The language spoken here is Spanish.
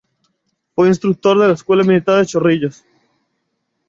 Fue instructor de la Escuela Militar de Chorrillos.